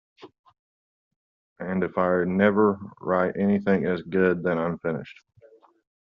And if I never write anything as good, then I'm finished.